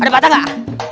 ada patah gak